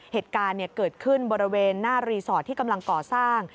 เหตุการณ์เกิดขึ้นบริเวณหน้ารีสอร์ทที่กำลังก่อสร้าง